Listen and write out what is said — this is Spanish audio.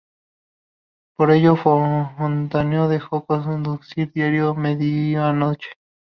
Por ello, Fontana dejó de conducir Diario de medianoche.